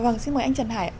vâng xin mời anh trần hải ạ